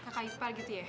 kakak ipar gitu ya